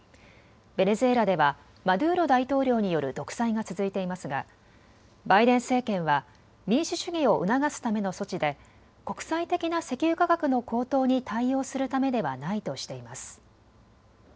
ベネズエラではマドゥーロ大統領による独裁が続いていますがバイデン政権は民主主義を促すための措置で国際的な石油価格の高騰に対応するためではないとしています。